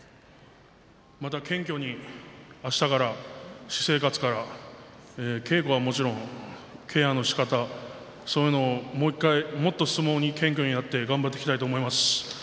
また謙虚にあしたから、私生活から稽古はもちろん、ケアのしかたそういうのを、もう一度もっと相撲に謙虚になって頑張っていきたいと思います。